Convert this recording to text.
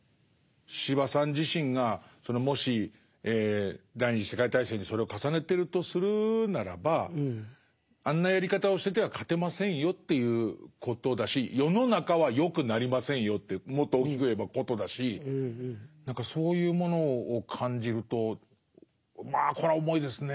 司馬さん自身がもし第二次世界大戦にそれを重ねてるとするならばあんなやり方をしてては勝てませんよということだし世の中は良くなりませんよってもっと大きく言えばことだし何かそういうものを感じるとまあこれは重いですね。